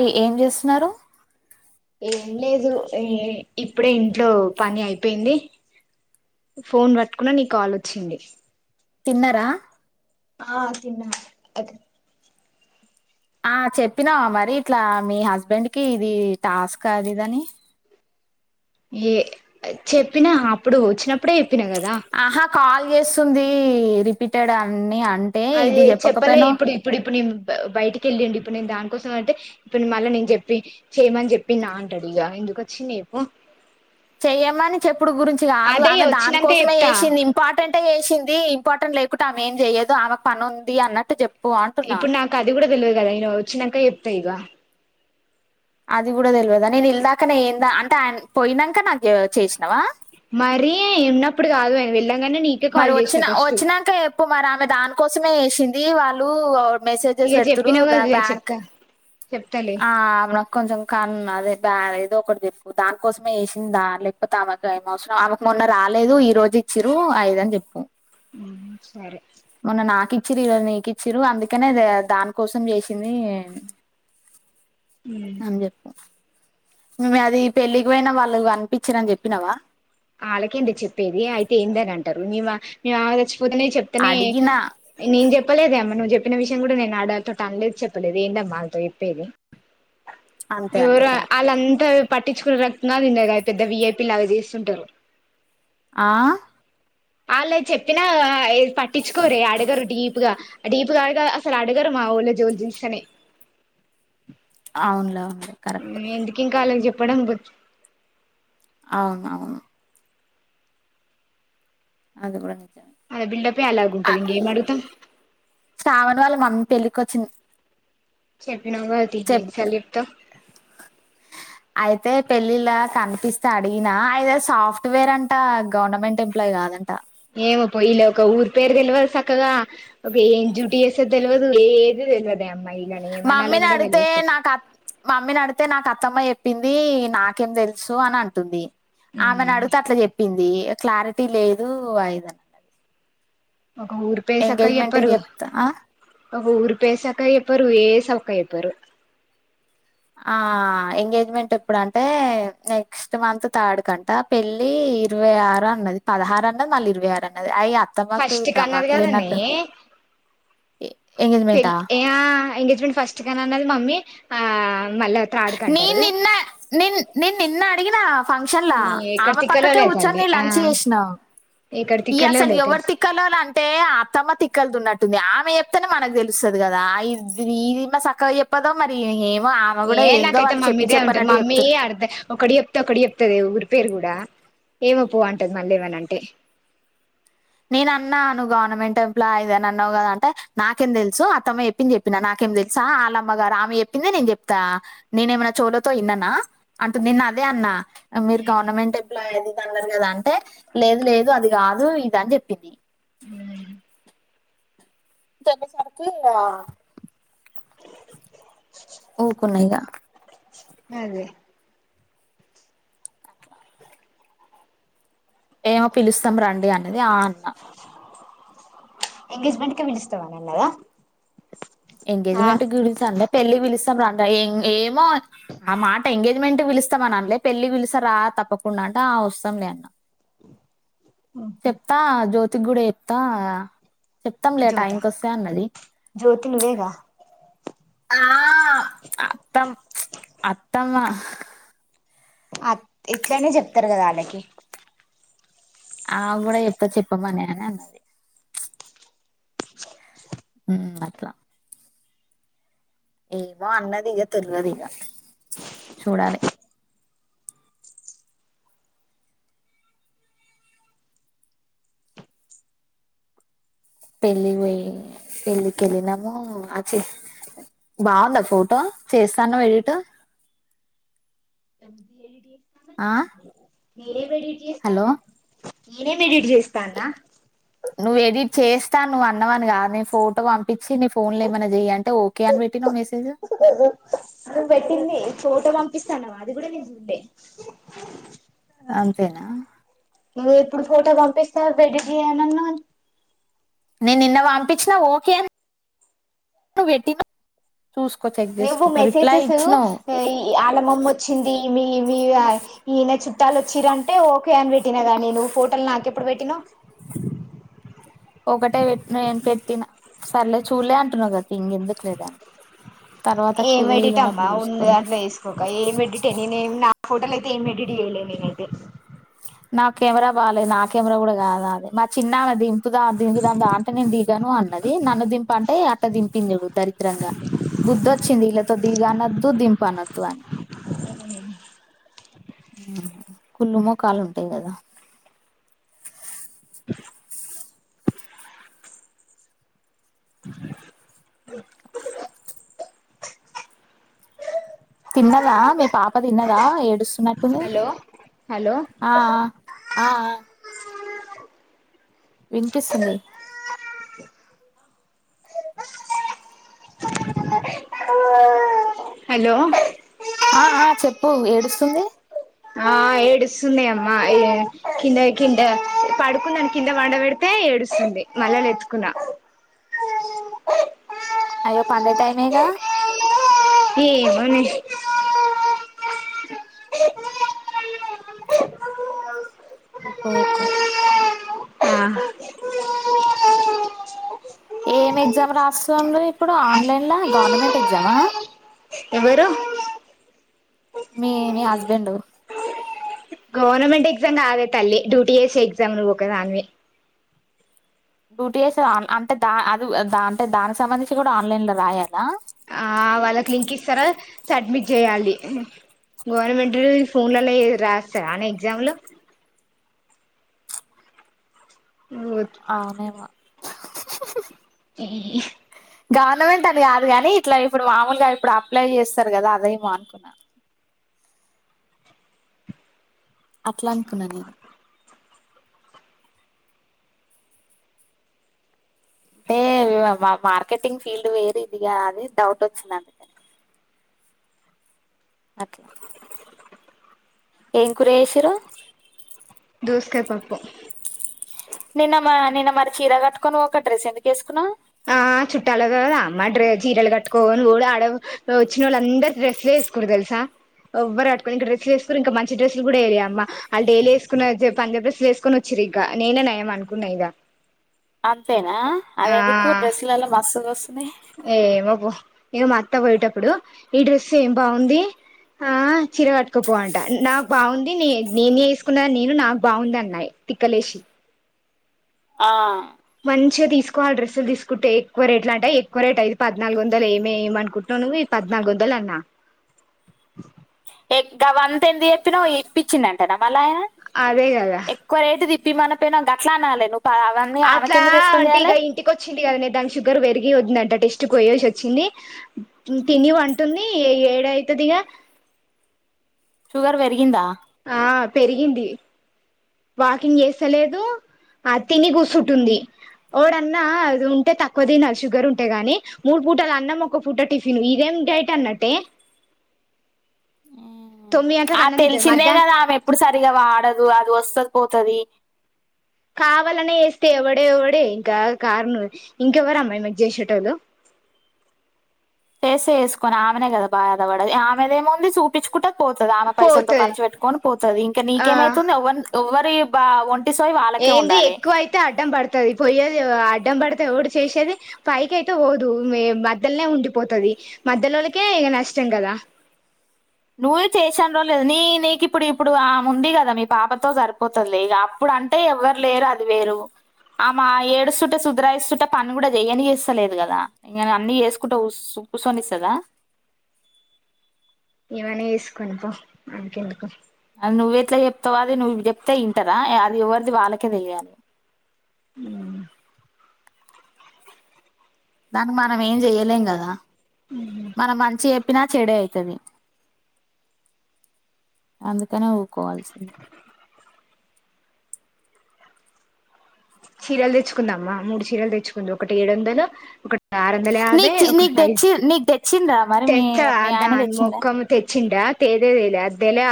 ఎ ఏం చేస్తున్నారు ఏం లేదు ఈ ఇప్పుడే ఇంట్లో పని అయిపోయింది ఫోన్ పట్టుకున్న నీ కాల్ వచ్చింది తిన్నరా ఆ తిన్నా అదే ఆ చెప్పినావా మరి ఇట్లా మీ హస్బెండ్ కి ఇది టాస్క్ కదిదని ఏ చెప్పినా అప్పుడు ఒచ్చినప్ అప్పుడే ఎప్పిన కదా ఆహా కాల్ చేస్తుంది రిపీటెడ్ అని అ అది చెప్పలే ఇప్పుడు ఇప్పుడు ఇప్పుడు నేన్ బయటికేళ్ళిండ్ ఇప్పుడు నేన్ దాన్ కోసం అంటే ఇప్పుడు మళ్ళ నేను చెప్పి చేయమని జెప్పిన్న అంటాడు ఇగ ఇందుకొచ్చిది జేప్పు చెయ్యమని చెప్పుడు గురించి కాదు అదే ఆమె దాని వచ్చినాక కోసమే చెప్తా చేసింది ఇంపార్టెంటే చేసింది ఇంపార్టెంట్ లేకుటే ఆమె ఏం చెయ్యదు ఆమే పని ఉంది అన్నట్టు చెప్ ఇప్పుడు నాకు అది కూడా తెల్వదు కదా ఇన వచ్చినంక చెప్తా ఇగ అది కూడా తెల్వదా నేను ఇల్దకనే ఎంద అంటే ఆయన పోయినంక నాకు చేసినవా మరి ఉన్నప్పుడు కాదు ఆయన వెళ్ళా మరి వోచ్చిన వోచ్చినంక ఎప్పు మరి ఆమె దాన్ కోసమే చేసింది వాళ్ళు ఇగ మెసేజెస్ పెడుతురు చెప్పినవ్ కాదనే బ్యాంక్ చెప్తా చెప్తాలే ఆ అవున కొంచం కన్ అదే ఆ ఏదో ఒకటి చెప్పు దానికోసమే చేసింది లేకపోతే ఆమెకు ఏం అవసరం ఆమెకు మొన్న రాలేదు ఈ రోజు ఇచ్చిరు అదిదని చెప్పు సరే ఇచ్చిన్రు నీకు ఇచ్చిన్రు అందుకనే దాని కోసం చేసింది అని చెప్పు నువ్ అది పెళ్ళికి పోయిన వాళ్ళు కనిపించిన్రు అని చెప్పినవ ఆల్లకేంది చెప్పేది అయితే ఏందని అంటారు నివ నివాలచ్ పోదునుంచి చెప్తనే అడిగినా నేను చెప్పలేదేమ్మ నువ్వు చెప్ చెప్పిన విషయం కూడా నేను ఆడ అంతో అనలేదు చెప్పలేదు ఎందమ్మా ఆళ్ళతో చెప్పేది అంతే అంతే ఏవరు కరెక్ట్ ఆలంతా పట్టించుకునే రక్కదు పెద్ద వీఐపి లాగా చేస్తుంటారు ఆ ఆల్లయ్ చెప్పినగద పట్టిచుకోరే అడుగరు డీప్గా డీపుగా ఆగ అసలు అడగురమావలో జోల్ జిసనే అవునులే అవును ఎందుకు ఇంకా ఆళ్ళకి చెప్ ప్పడం బుజ్ అవును అవును అది కూడా క అది బిల్డ్ అప్ ఏ అలాగుంటది ఇంకేం అడుగుతాం పెళ్లికొచ్చింది చెట్ పినవ్ గద తి ఇంకెన్ని సాల్ల చెప్తావ్ అయితే పెళ్ళిళ్ళ కనిపిస్తే అడిగినా అయిన సాఫ్ట్వేర్ అంట గవర్నమెంట్ ఎంప్లాయి కాదంట ఏమో పో ఇళ్ళయి ఒక ఊరు పేరు తెల్వదు సక్కగా ఒక ఏం జ్యూటీ చేసేది తెల్వదు ఏంది తెల్వదే అమ్మ మమ్మీని అడితే నాకు అత్ మమ్మీని అడితే నాకు అత్ అత్తమ్మ చెప్పింది నాకేం తెలుసు అని అంటుంది ఆమెను అడుగుతే అట్లా చెప్పిం ది క్లారిటీ లేదు [inaudible] అన్నది ఒక్క ఊరు పేరు సక్కగా చెప్పరు ఆ ఒక్క ఊరు పేరు సక్కగా చెప్పరు ఏ సక్కగా చెప్పరు ఆ ఎంగేజ్మెంట్ ఎప్పుడు అంటే నెక్స్ట్ మంత్ థర్డ్ కంట పెళ్లి ఇరవై ఆరు అన్నది పదహారు అన్నది మళ్ళీ ఇరవై ఆరు అన్నది అయి అత్తమ్మకు ఫస్ట్ కన్నది కదనే దమాకులేనట్ ఎ ఎంగేజ్మెంటా మెంట్ ఫస్ట్ కి అని అన్నది మమ్మీ ఆ మళ్ళ నేన్ నిన్న నేన్ నేన్ నిన్న అడిగినా ఫంక్షన్ లా ఎక్కడ ఆమె పక్కకే తిక్కలోలైతాంది కూచ్చోని ఆ లంచ్ చేసినా ఎక్కడ ఈ అసలు ఎవరు తిక్కలోలైతాంది తిక్కలోలు అంటే అత్తమ్మ తిక్కల్ది ఉన్న ట్టుంది ఆమె చెప్తేనే మనకు తెలుస్తది కదా ఇ ఇది ఈమ సక్కగా చెప్పదో మరి ఏ ఆమె కూడా ఏం అంత మమ్మీదే ఉంటంది మమ్మీయే అడితే ఒకటి చెప్తే ఒకటి చెప్తాదే నిపేరు కూడా ఏమో పో అంటది మళ్ళీ ఏమన్న అంటే నేను అన్నా నువ్ గవర్నమెం టె ఎంప్లాయి ఇదనని అన్నావు కదా అంటే నాకేం తెలుసు అతమ్మ చెప్పింది చెప్పినా నాకేం తెలుసా ఆళ్లమ్మ గారు ఆమే చెప్పిందే నేను చెప్తా నేను ఏమన్నా చెవులతో ఇన్ననా అంటుది నిన్న అదే అన్నా మీరు గవర్నమెంట్ ఎంప్లాయ్ అది అన్నరు కదా అంటే లేదు లేదు అది కాదు ప్తా అని చెప్పింది మ్మ్ చెప్పేసరికి అ ఊకున్నా యిగా అదే ఏమో పిలుస్తాం రండి అన్నది ఆ అన్న ఎంగేజ్మెంట్ కి పిలుస్తావ్ అని అన్నదా ఎంగేజ్మెంట్ గురించి అనలే పెళ్లికి విలుస్ [unintelligible] ఇంగ ఏమో ఆ మాట ఎంగేజ్మెంట్ పిలుస్తాం అని అండ్లే పెళ్ళి పిలుస్సా రా తప్పకుండా అంటే ఆ వస్తాంలే అన్న చెప్తా జ్యోతికి గూడ చెప్ తా చెప్తాం లే జ్యోత టైంకి వస్తే అన్నది జ్యోతి నువ్వేగా ఆ అత్తం అత్తమ్మా అ ఇట్లనే చెప్తారు కదా వాళ్ళకి ఆవకు కూడా చెప్తా చెప్పమని అని అన్నది ఉమ్ అట్లా ఏమో అన్నదిగ తెలువది ఇగ చూడాలి బావుందా ఫోటో చేస్తా అన్నావు ఎడిట్ [inaudible] ఆ మీరే ఎడిట్ చేస్తాన్న హలో నేనేం ఎడిట్ చేస్తాన్నా నువ్వు ఎడిట్ చేస్తాను నువ్వు అన్నవని కాదు నేను ఫోటో పంపించి నీ ఫోన్ లో ఏమైనా చెయ్యి అని ఓకే పెట్టినవ్ మెసేజ్ నువ్వు పెట్టింది ఫోటో పం పిస్తానవా అది కూడా నేను చూళ్ళే అంతేనా ఇప్పుడు ఫోటో పంపిస్తా ఎడిట్ చేయనన్నా నేను నిన్న పంపించినా ఓకే అని నువ్ పెట్టినవ్ నువ్వు మెసేజెస్ ఇ ఆలమమ్మ వచ్చింది మీ మీ ఆ ఈయన చుట్టాలు వచ్చిరంటే ఓకే అని పెట్టినాగా నేను ఫోటోలు నాకెప్పుడు పెట్టినవ్ ఒకట్ ట్ట పెట్ నేన్ పెట్టిన సర్లే చూలే అంటున్నావు కదా ఇంకెందుకు లేరా ఏమేడిట్టమ్మా ఉంది దాంట్లో వేసుకోక ఏం ఎడిట్ నేనేమి నా ఫోటోలైతే ఏం ఎడిట్ చేయలె నేనైతే నాకు కెమెరా బాలేదు నా కెమెరా కూడా కాదాది మా చిన్నాన్నది దింపు దా దింపుదా దాం అంటే నేను దిగను అన్నది నన్ను దింపు అంటే అట్ట దిపింది చూడు దరిద్రంగా బుద్ధి వచ్చింది ఈళ్ తో దిగు అనొద్దు దింపు అనొద్దు అని హ్మ్ కుళ్ళు మొఖాలు ఉంటాయి కదా ఓక [inaudible] తిన్నదా మీ పాప తిన్నదా ఏడుస్తున్న తనే హలో హలో ఆ ఆ ఆ వినిపిస్తుంది హలో ఆ ఆ చెప్పు ఏడుస్తుంది ఆ ఏడుస్తుంది అమ్మాయి కింద కింద పడుకున్నాను కింద పండ పెడితే ఏడుస్తుంది మళ్ళలెత్తుకున్నా అయ్యో పండే టైమేగా ఏ మని ఒక [unintelligible] తో ఏం ఎగ్జామ్ రాస్తుంది ఇప్పుడు ఆన్లైన్ల గవర్నమెంట్ ఎగ్జామా ఆ ఎవరు మీ మీ హస్బెండు గవర్నమెంట్ ఎగ్జామ్ కాదే తల్లి డూటిఎస్ ఎగ్జామ్ నువ్వు ఒక దానివి డ్యూటీ చేసే అంటే దా అది అంటే దానికి సంబంధించి కూడా ఆన్లైన్ లో రాయాలా ఆ వాళ్ళకి లింక్ ఇస్తారా సబ్మిట్ చేయాలి గవర్నమెంట్ ఫోన్లలో రాస్తారా అనే ఎగ్జామ్ లో అవునేమో [inaudible] అ గవర్నమెంట్ అని కాదు కాని ఇట్లా ఇప్పుడు మామూలుగా ఇప్పుడు అప్లై చేస్తారు కదా అదే మా అనుకున్నాను అట్లా అనుకున్నాను నేను అంటే మా మార్కెటింగ్ ఫీల్డ్ వేరే ఇదిగా అది డౌట్ వచ్చింది అందుకని అట్లా ఏం కుర చేసినిరు దోసకాయ పప్పు నిన్న మా నిన్న మరి చీర కట్టుకొని ఒక డ్రెస్ ఎందుకు వేసుకున్నా ఆ చుట్టాల కదామ్మ జీరలు కట్టుకోని ఆడ వచ్చిన వాళ్ళ అందరు డ్రస్లు వేసుకోరు తెలుసా ఎవ్వరు ఆడుకొని ఇం డ్రస్లు వేసుకు ఇంకా మంచి డ్రెస్లు కూడా వయలే అమ్మా వాళ్ళు డైలీ వేసుకు పంజబ్ డ్రెస్సులు వేసుకని వచ్చారు ఇక నేనే నయం అనుకున్నా ఇగ అంతేనా అద ఎందుకు డ్రెస్సులలా మా బస బ ఏమో పో ఇగ మా అత్త పోయేటప్పుడు ఈ డ్రెస్ ఏం బాగుంది ఆ చిర కట్టుకోపో ఆట నాకు బాగుంది న నేనే వేసుకున్నా నేను నాకు బాగుంది అన్నా తిక్కలేసి ఆ మంచిగా తీసుకోవాలి డ్రస్సులు తీసుకుంటే ఎక్కువ రేట్లులా అంటాయి ఎక్కువ రేట్ అది పద్నాలుగు వందలు ఏమే ఏమ అనుకుంటున్నావు నువ్వు ఈ పద్నాలుగు వందలు అన్నా ఎ గవన్ ఎంత చెపినవ్ పిచ్చింది అంట మళయినా అదే కదా ఎక్కువ రేటు ది మన పైన గట్లానాల నువ్ అట్లా అంటే ఇక ఇంటికి వచ్చింది కదా నే దానికి షుగర్ పెరిగి వద్దందంట టెస్ట్ యేసి వచ్చింది తిని వంటుంది ఏ ఏడవుతుందిగా షుగర్ పెరిగిందా ఆ పెరిగింది వాకింగ్ చేస్తలేదు ఆ తిని కూసుుంటుంది వాడ అన్నా అది ఉంటే తక్కువ తినాలి షుగర్ ఉంటే గాని మూడు పూటలు అన్నం ఒక పూట టిఫిన్ ఇదేం డైట్ అన్నట్టే మ్మ్. తొమ్మిది గంటలకు ఆ అన్నం తింటది తెలిసిందే మధ్యా కదా ఆమె ఎప్పుడు సరిగా వాడదు అది వస్తుది పోతుది కావాలనే చేస్తే ఎవడే ఎవడే ఇంకా కారణ ఇంకెవ్వర అమ్మా ఈమెకి చేసేటోళ్ళు చేసే వేసుకొని ఆమెనే కదా బాధ పడది ఆమెద ఏమముంది చూపించుకుంట పోతాది ఆమె పైసలతో పోతది ఖర్చు పెట్టుకొని పోతుంది ఇంకా ఆ నీకేమైతుంది బా ఒంట ఏంది ఎక్కువ అయితే అడ్డం పడుతుది పోయ్యేది ఇడం పడితే టి చేసేది పైకి అయితే పోదు మ మధ్యలోనే ఉండిపోతుది మధ్యలోళకే ఇక నష్టం కదా నువ్వే చేసాను రోజులేదు నీ నీకు ఇప్పుడు ఇప్పుడు ఆ ఉంది కదా మీ పాపతో సరిపోతుంది లేక అప్పుడు అంటే ఎవరు లేరు అది వేరు ఆమె ఏడుస్తుంటే సుధ్రయిస్తుంటే పని కూడా చెయని ఇస్తలేదు కదా ఇ అన్ని చేసుకుంటే కూర్చొనిస్తుదా అనే చేస్కొని పో నాకు ఎందుకు అది నువ్ ఎట్లా చెప్తావా అది నువ్వు చెప్తే ఇంటరా అది ఎవరిది వాళ్ళకే తెయాలి ఆ దానికి మనం ఏం చెయలేం కదా మన మంచి చెప్పినా చెడే అవుతుంది అందుకనే ఊకోవాల్సింది చీరలు తెచ్చుకుందమా ఒక మూడు చీరలు తెచ్చుకుంది ఒకటి ఏడు వందలు ఒకటి ఆరు వందల యాభై నీకు చి- నీకు ఒకై తెచ్చి నీకు తెచ్చిండ్రా మరి మీ తెచ్చా మీ ఆయన దాని తెచ్చిండ మొఖం తెచ్చిందడా తేదే తెేలే అద్దెలా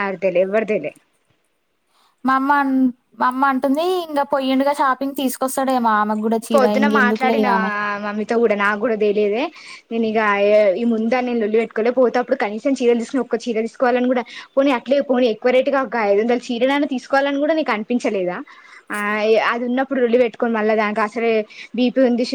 అ తేలి ఎవర్టేలే మా అమ మా అమ్మ అంటుంది ఇంకా పొయ్యిండుగా షాపింగ్ తీసుకొస్తాడే మామ్మ పొద్దున మాట్లాడిన మమ్మీతో కూడా నా కూడా తెలియదే నేను ఇక ఈ ముందా నేను నొల్లిలు పెట్టుకోలే పోతతేప్పుడు కనీసం చీరలు తీసుకుని ఒక్క చీర తీసుకోవాలని కూడా పోనీ అట్లే పోని ఎక్కువ రైటీ గా ఒకదు చీర నైన్న తీసుకోవాలని కూడా నీకు అనిపించలేద ఆ అది ఉన్నడు ఒల్లి పెట్టుకోని మళ్ళా దానికి సరే బీపి ఉంది